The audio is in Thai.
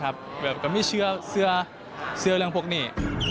แบบก็ไม่เชื่อเรื่องพวกนี้